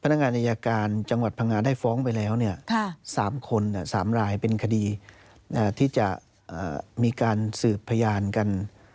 นักงานอายการจังหวัดพังงาได้ฟ้องไปแล้ว๓คน๓รายเป็นคดีที่จะมีการสืบพยานกัน